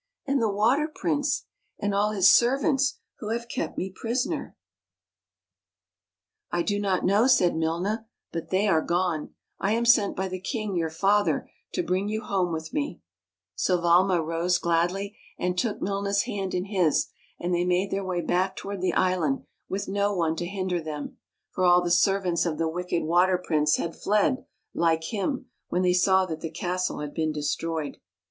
" And the Water Prince? And all his servants who have kept me prisoner? " 136 She had the King's son by the hand Page 137 THE CASTLE UNDER THE SEA " I do not know," said Milna, " but they are gone. I am sent by the king, your father, to bring you home with me." So Valma rose gladly, and took Milna's hand in his, and they made their way back toward the island with no one to hinder them, for all the servants of the wicked Water Prince had fled, like him, when they saw that the castle had been destroyed.